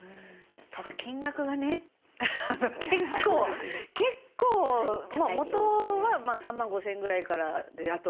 ただ金額がね結構もとは３万５，０００円ぐらいからであと